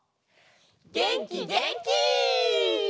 げんきげんき！